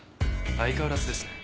相変わらずですね。